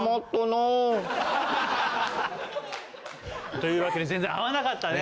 というわけで全然合わなかったね。